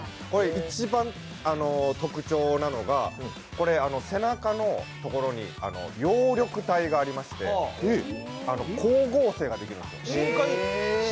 これ一番特徴なのが背中のところに葉緑体がありまして光合成ができるんです。